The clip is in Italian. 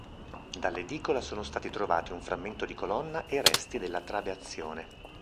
Dall'edicola sono stati trovati un frammento di colonna e resti della trabeazione.